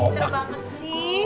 gila pinter banget sih